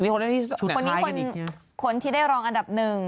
คนนี้คนที่ได้รองอันดับ๑